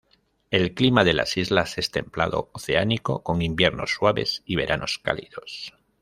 El clima de las islas es templado oceánico, con inviernos suaves y veranos cálidos.